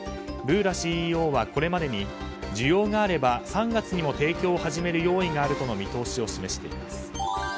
ブーラＣＥＯはこれまでに需要があれば３月にも提供を始める用意があるとの見通しを示しています。